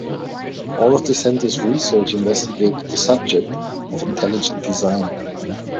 All of the center's research investigated the subject of intelligent design.